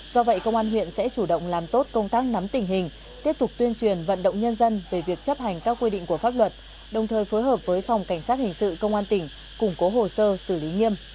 do vậy công an huyện sẽ chủ động làm tốt công tác nắm tình hình tiếp tục tuyên truyền vận động nhân dân về việc chấp hành các quy định của pháp luật đồng thời phối hợp với phòng cảnh sát hình sự công an tỉnh củng cố hồ sơ xử lý nghiêm